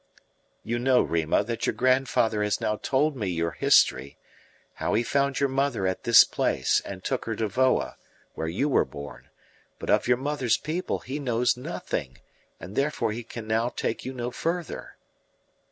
"You know, Rima, that your grandfather has now told me your history how he found your mother at this place, and took her to Voa, where you were born; but of your mother's people he knows nothing, and therefore he can now take you no further."